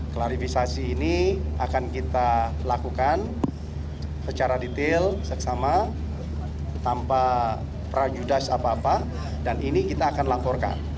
klarifikasi ini akan kita lakukan secara detail seksama tanpa prajudas apa apa dan ini kita akan laporkan